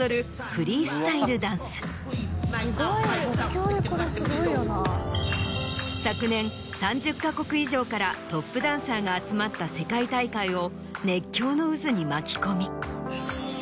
・即興でこれすごいよな・昨年３０か国以上からトップダンサーが集まった世界大会を熱狂の渦に巻き込み。